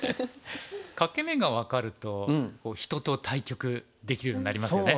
欠け眼が分かると人と対局できるようになりますよね。